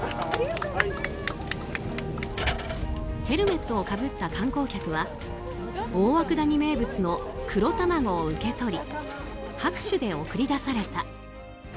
ヘルメットをかぶった観光客は大涌谷名物の黒たまごを受け取り拍手で送り出された。